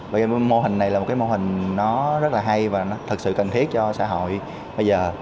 bây giờ mô hình này là một cái mô hình nó rất là hay và nó thật sự cần thiết cho xã hội bây giờ